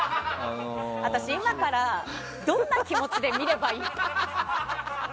私、今からどんな気持ちで見ればいいの？